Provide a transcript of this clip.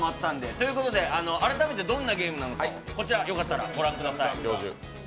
ということで改めてどんなゲームなのかこちらよかったらご覧ください。